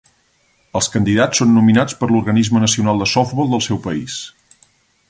Els candidats són nominats pel l'organisme nacional de softbol del seu país.